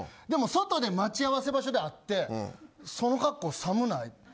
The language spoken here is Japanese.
でも外で待ち合わせ場所で会ってその格好寒ない。